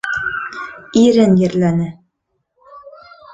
Ирен ерләне.